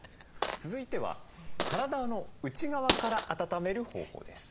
続いては体の内側から温める方法です。